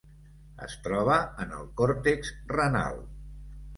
Es troba en el còrtex renal.